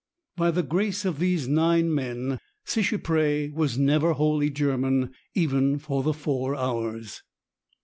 By the grace of these nine men Seicheprey was never wholly German, even for the four hours.